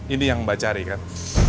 ini yang mbak cari kan